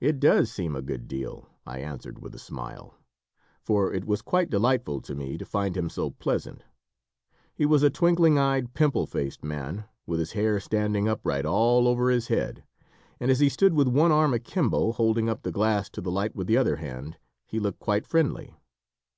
"It does seem a good deal," I answered with a smile. For it was quite delightful to me to find him so pleasant. He was a twinkling eyed, pimple faced man, with his hair standing upright all over his head; and as he stood with one arm a kimbo, holding up the glass to the light with the other hand, he looked quite friendly.